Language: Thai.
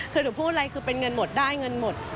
คือหนูพูดอะไรคือเป็นเงินหมดได้เงินหมด